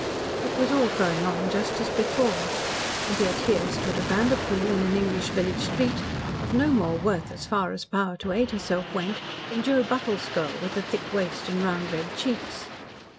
It was all going on just as before, and yet here stood a Vanderpoel in an English village street, of no more worth as far as power to aid herself went than Joe Buttle's girl with the thick waist and round red cheeks.